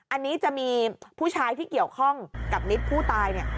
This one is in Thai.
อันนี้จะมีผู้ชายที่เกี่ยวข้องกับนิดผู้ตายเนี่ย